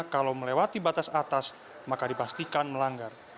kalau melewati batas atas maka dipastikan melanggar